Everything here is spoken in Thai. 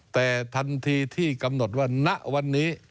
แต่ทันทีที่กำหนดว่าณวันนี้